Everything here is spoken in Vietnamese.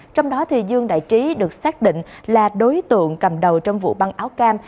trong đó dương đại trí được xác định là đối tượng cầm đầu trong vụ băng áo cam